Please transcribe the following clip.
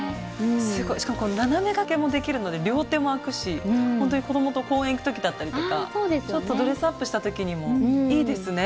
すごいしかもこれ斜めがけもできるので両手も空くしほんとに子供と公園行く時だったりとかちょっとドレスアップした時にもいいですね。